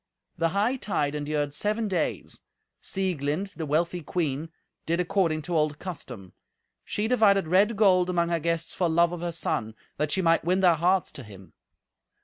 The hightide endured seven days. Sieglind, the wealthy queen, did according to old custom. She divided red gold among her guests for love of her son, that she might win their hearts to him.